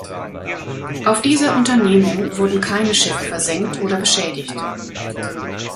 Auf dieser Unternehmung wurden keine Schiffe versenkt oder beschädigt.